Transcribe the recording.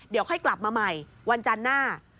เดี๋ยวค่อยกลับมาใหม่วันจันทร์หน้า